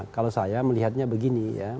kalau saya melihatnya begini ya